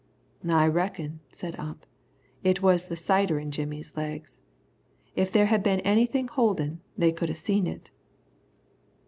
"I reckon," said Ump, "it was the cider in Jimmy's legs. If there had been anything holdin', they could have seen it."